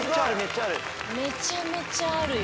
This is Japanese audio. めちゃめちゃあるよ